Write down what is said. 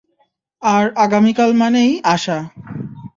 আর আগামীকাল মানেই আশা।